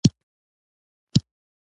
جلان د جاوید د یوې سندرې ستاینه وکړه